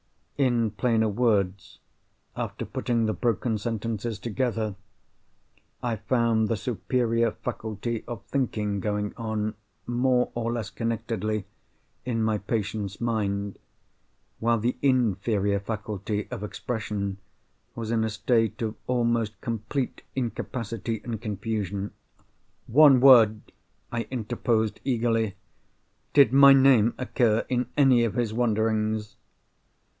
In plainer words, after putting the broken sentences together I found the superior faculty of thinking going on, more or less connectedly, in my patient's mind, while the inferior faculty of expression was in a state of almost complete incapacity and confusion." "One word!" I interposed eagerly. "Did my name occur in any of his wanderings?"